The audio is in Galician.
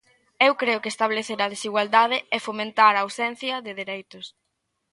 Eu creo que establecer a desigualdade é fomentar a ausencia de dereitos.